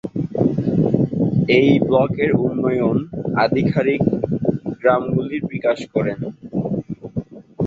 এই ব্লকের উন্নয়ন আধিকারিক গ্রামগুলির বিকাশ করেন।